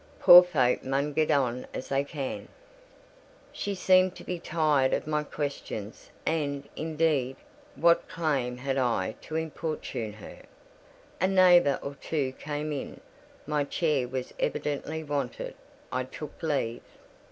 Poor folk mun get on as they can." She seemed to be tired of my questions: and, indeed, what claim had I to importune her? A neighbour or two came in; my chair was evidently wanted. I took leave.